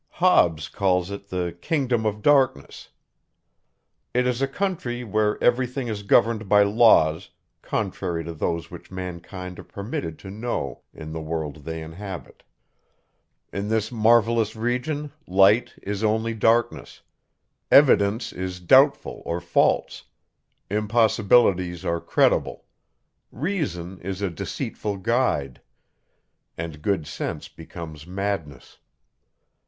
Hobbes calls it the kingdom of darkness. It is a country, where every thing is governed by laws, contrary to those which mankind are permitted to know in the world they inhabit. In this marvellous region, light is only darkness; evidence is doubtful or false; impossibilities are credible: reason is a deceitful guide; and good sense becomes madness.